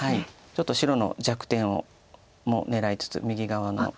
ちょっと白の弱点も狙いつつ右側の。